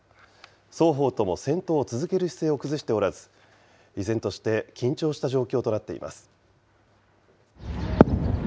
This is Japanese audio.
双方とも戦闘を続ける姿勢を崩しておらず、依然として緊張した状況となっています。